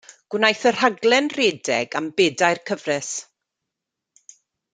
Gwnaeth y rhaglen redeg am bedair cyfres.